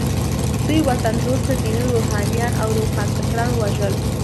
دوی وطن دوسته ديني روحانيون او روښانفکران ووژل.